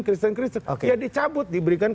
kristen kristen ya dicabut diberikan